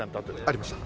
ありました。